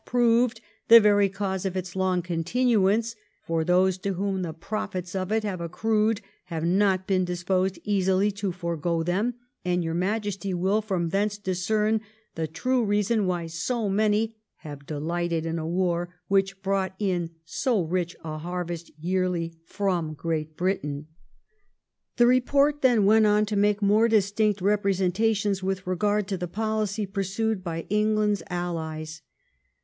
proved the very cause of its long continuance ; for those to whom the profits of it have accrued have not been disposed easily to forego them ; and your Majesty will from thence discern the true reason why so many have delighted in a war which brought in so rich a harvest yearly from Great Britain.' The report then went on to make more distinct represen tations with regard to the policy pursued by England's aUies.